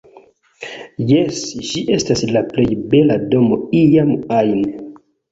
Jes, ĝi estas la plej bela domo iam ajn